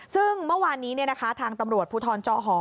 ซึ่งเมื่อวานนี้ทางตำรวจภูทรจอหอ